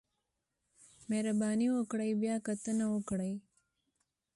مهرباني وکړئ بیاکتنه وکړئ